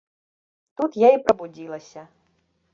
Тут я і прабудзілася.